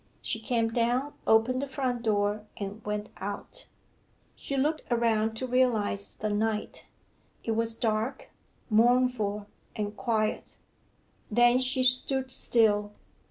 She came down, opened the front door, and went out. She looked around to realize the night. It was dark, mournful, and quiet. Then she stood still.